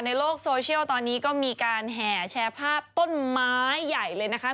ในโลกโซเชียลตอนนี้ก็มีการแห่แชร์ภาพต้นไม้ใหญ่เลยนะคะ